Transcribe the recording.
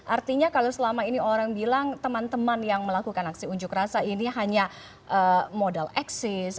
artinya kalau selama ini orang bilang teman teman yang melakukan aksi unjuk rasa ini hanya modal eksis